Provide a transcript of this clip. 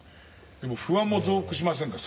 でも不安も増幅しませんか？